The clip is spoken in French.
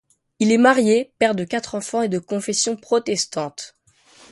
Il est marié, père de quatre enfants et de confession protestante.